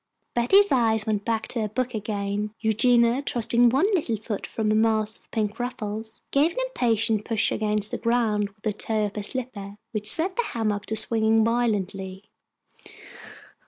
Betty's eyes went back to her book again. Eugenia, thrusting one little foot from a mass of pink ruffles, gave an impatient push against the ground with the toe of her slipper, which set the hammock to swinging violently.